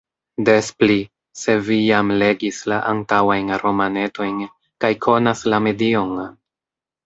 Des pli, se vi jam legis la antaŭajn romanetojn kaj konas la medion!